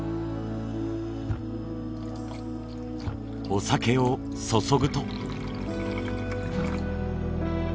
お酒を注ぐと。